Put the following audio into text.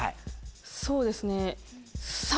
そうですね３？